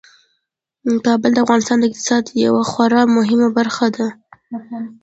کابل د افغانستان د اقتصاد یوه خورا مهمه برخه ده.